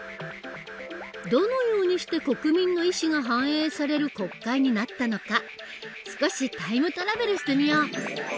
どのようにして国民の意思が反映される国会になったのか少しタイムトラベルしてみよう！